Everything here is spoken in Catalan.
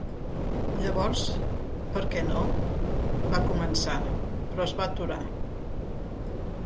"Llavors, per què no...?", va començar, però es va aturar.